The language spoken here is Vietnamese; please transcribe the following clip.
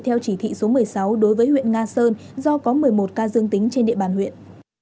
theo chỉ thị số một mươi sáu đối với huyện nga sơn do có một mươi một ca dương tính trên địa bàn huyện